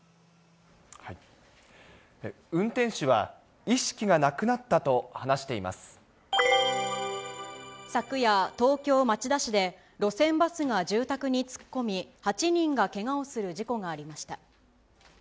運転手は、意識がなくなった昨夜、東京・町田市で、路線バスが住宅に突っ込み、８人がけがをする事故がありました。